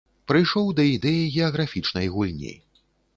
Прыйшоў да ідэі геаграфічнай гульні.